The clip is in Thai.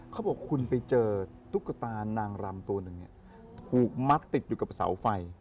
เขาบอกคุณไปเจอตุ๊กตานางรำตัวหนึ่งถูกมัดติดอยู่กับเสาไฟ